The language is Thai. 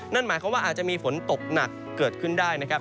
นั่นหมายความว่าอาจจะมีฝนตกหนักเกิดขึ้นได้นะครับ